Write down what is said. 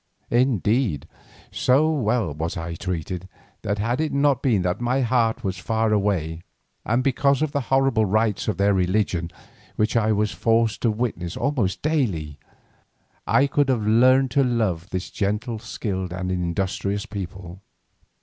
Indeed, so well was I treated, that had it not been that my heart was far away, and because of the horrible rites of their religion which I was forced to witness almost daily, I could have learned to love this gentle, skilled, and industrious people.